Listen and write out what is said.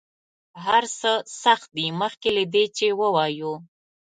هر څه سخت دي مخکې له دې چې ووایو.